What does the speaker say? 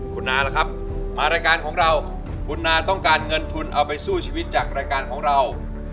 คุณนาล่ะครับมารายการของเราคุณนาต้องการเงินทุนเอาไปสู้ชีวิตจากรายการของเรา